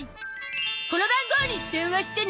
この番号に電話してね